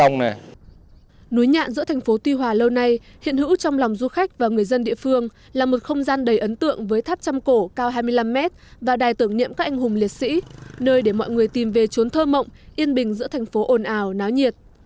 núi nhạn giữa thành phố tuy hòa lâu nay hiện hữu trong lòng du khách và người dân địa phương là một không gian đầy ấn tượng với tháp chăm cổ cao hai mươi năm m và đài tưởng niệm các anh hùng liệt sĩ nơi để mọi người tìm về trốn thơ mộng yên bình giữa thành phố ồn ào náo nhiệt